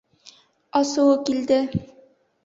Асыуы килде.